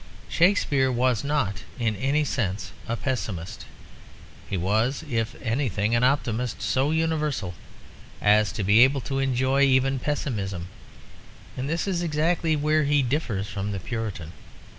Shakespeare was not in any sense a pessimist; he was, if anything, an optimist so universal as to be able to enjoy even pessimism. And this is exactly where he differs from the Puritan.